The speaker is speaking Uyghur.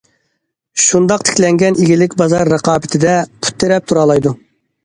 شۇنداق تىكلەنگەن ئىگىلىك بازار رىقابىتىدە پۇت تىرەپ تۇرالايدۇ.